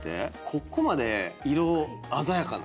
ここまで色鮮やかな。